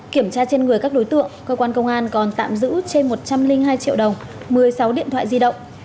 kiểm tra trên người các đối tượng cơ quan công an còn tạm giữ trên một trăm linh hai triệu đồng một mươi sáu điện thoại di động